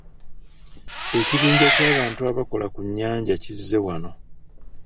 Ekibanja ky'abantu abakola ku nnyanja kizze wano.